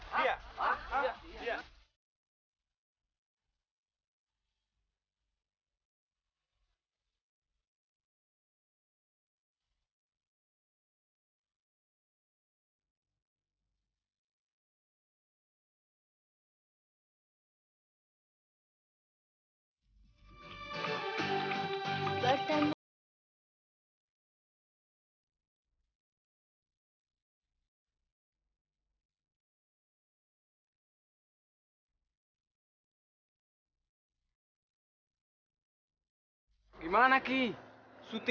kalau mbak gak jadi